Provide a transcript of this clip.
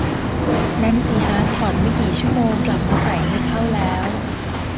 นั่นสิฮะ ถอดไม่กี่ชั่วโมง กลับมาใส่ไม่เข้าแล้ว